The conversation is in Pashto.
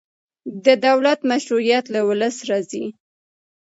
د دولت مشروعیت له ولس راځي